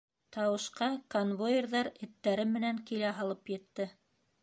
Тауышҡа конвоирҙар эттәре менән килә һалып етте.